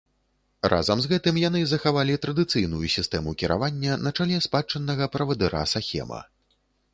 Разам з гэтым, яны захавалі традыцыйную сістэму кіравання на чале спадчыннага правадыра-сахема.